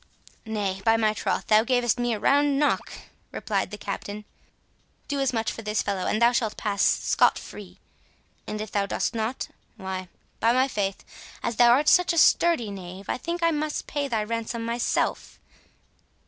"Nay, by my troth, thou gavest me a round knock," replied the Captain; "do as much for this fellow, and thou shalt pass scot free; and if thou dost not—why, by my faith, as thou art such a sturdy knave, I think I must pay thy ransom myself.